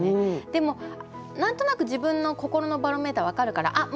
でも何となく自分の心のバロメーター分かるからあっ！